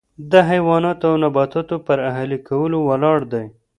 د حیواناتو او نباتاتو پر اهلي کولو ولاړ دی.